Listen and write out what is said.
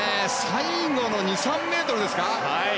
最後の２３ｍですか。